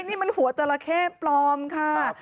นี่มันหัวจราเข้ปลอมค่ะ